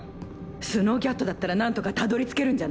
スノーキャットだったら何とかたどり着けるんじゃない？